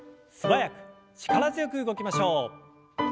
すばやく力強く動きましょう。